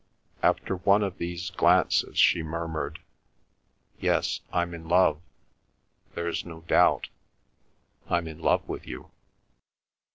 After one of these glances she murmured, "Yes, I'm in love. There's no doubt; I'm in love with you."